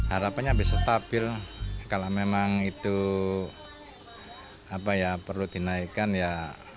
harapannya bisa stabil kalau memang itu perlu dinaikkan ya